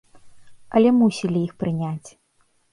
Але мусілі іх прыняць.